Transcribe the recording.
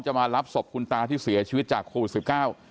จะมารับศพคุณตาที่เสียชีวิตจากโควิด๑๙